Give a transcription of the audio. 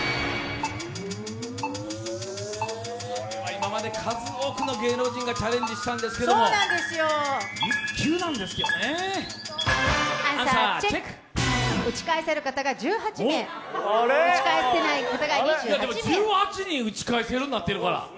今まで数多くの芸能人がチャレンジしたんですが１球なんですけどねでも１８人、打ち返せることになってるから。